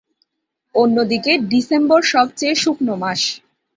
অন্যদিকে ডিসেম্বর সবচেয়ে শুকনো মাস।